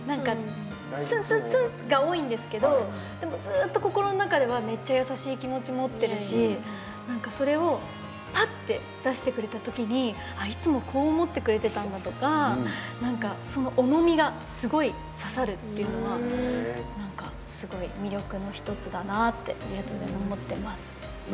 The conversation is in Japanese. ツンツンツンが多いんですけどでもずっと心の中ではめっちゃ優しい気持ちを持ってるしそれをぱって出してくれたときにいつもこう思ってくれてたんだとかその重みがすごく刺さるっていうのはすごい魅力の一つだなって思っています。